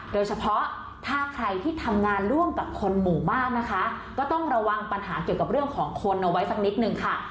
โดยเฉพาะถ้าใครที่ทำงานร่วมกับคนหมู่บ้านนะคะก็ต้องระวังปัญหาเกี่ยวกับเรื่องของคนเอาไว้สักนิดนึงค่ะ